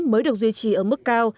mới được duy trì ở mức cao